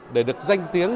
để được danh tiếng